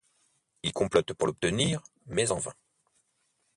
Ils complotent pour l'obtenir, mais en vain.